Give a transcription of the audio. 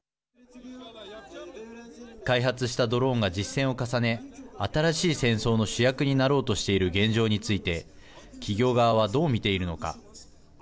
開発したドローンが実戦を重ね新しい戦争の主役になろうとしている現状について企業側はどう見ているのか。